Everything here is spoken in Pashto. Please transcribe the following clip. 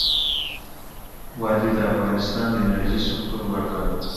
وادي د افغانستان د انرژۍ سکتور برخه ده.